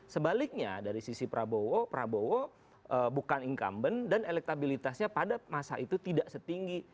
sebaliknya dari sisi prabowo prabowo bukan incumbent dan elektabilitasnya pada masa itu tidak setinggi